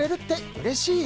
うれしい！